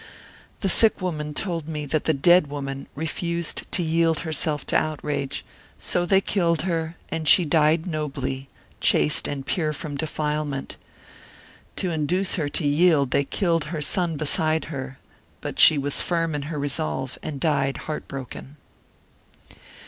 The sick woman told me that the dead woman refused to yield herself to outrage, so they killed her and she died nobly, chaste and pure from defilement; to induce her to yield they killed her son beside her, but she was firm in her resolve and died heart broken.